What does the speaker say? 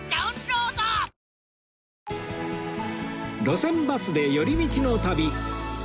『路線バスで寄り道の旅』